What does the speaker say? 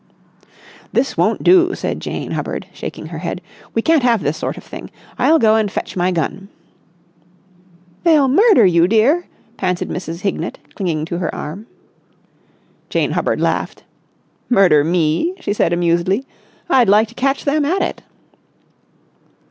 "This won't do," said Jane Hubbard, shaking her head. "We can't have this sort of thing. I'll go and fetch my gun." "They'll murder you, dear!" panted Mrs. Hignett, clinging to her arm. Jane Hubbard laughed. "Murder me!" she said amusedly. "I'd like to catch them at it!"